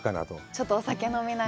ちょっとお酒飲みながら。